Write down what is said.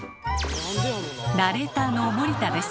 ナレーターの森田です。